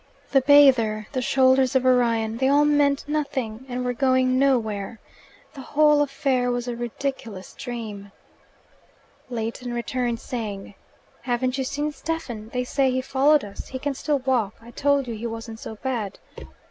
The bather, the shoulders of Orion they all meant nothing, and were going nowhere. The whole affair was a ridiculous dream. Leighton returned, saying, "Haven't you seen Stephen? They say he followed us: he can still walk: I told you he wasn't so bad."